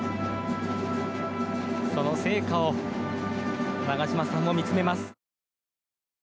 その聖火を長嶋さんも見つめます。